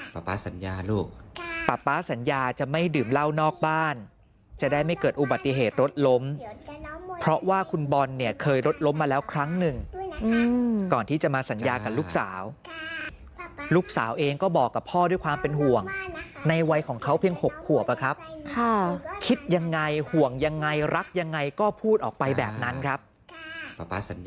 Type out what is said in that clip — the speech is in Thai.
ป๊าสัญญาลูกป๊าป๊าสัญญาจะไม่ดื่มเหล้านอกบ้านจะได้ไม่เกิดอุบัติเหตุรถล้มเพราะว่าคุณบอลเนี่ยเคยรถล้มมาแล้วครั้งหนึ่งก่อนที่จะมาสัญญากับลูกสาวลูกสาวเองก็บอกกับพ่อด้วยความเป็นห่วงในวัยของเขาเพียง๖ขวบอะครับคิดยังไงห่วงยังไงรักยังไงก็พูดออกไปแบบนั้นครับ